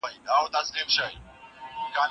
زه پرون کښېناستل وکړې!